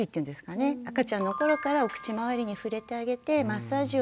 赤ちゃんの頃からお口まわりに触れてあげてマッサージをする。